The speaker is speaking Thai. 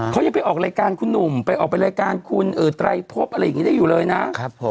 เขายังไปออกรายการคุณหนุ่มไปออกไปรายการคุณไตรพบอะไรอย่างนี้ได้อยู่เลยนะ